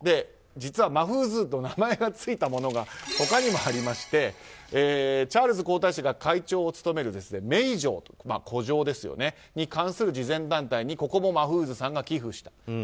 実はマフーズと名前がついたものが他にもありましてチャールズ皇太子が会長を務めるメイ城という古城に関する慈善団体にここもマフーズさんが寄付したと。